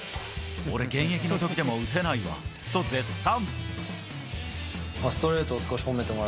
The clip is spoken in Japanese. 俺、現役の時でも打てないわと絶賛。